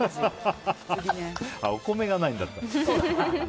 あ、お米がないんだった。